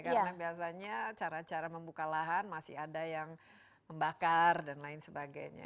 karena biasanya cara cara membuka lahan masih ada yang membakar dan lain sebagainya